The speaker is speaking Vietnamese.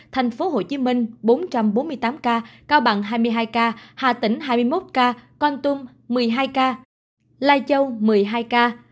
thành phố hồ chí minh bốn trăm bốn mươi tám ca cao bằng hai mươi hai ca hà tĩnh hai mươi một ca con tum một mươi hai ca lai châu một mươi hai ca